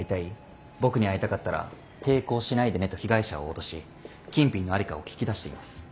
僕に会いたかったら抵抗しないでね」と被害者を脅し金品の在りかを聞き出しています。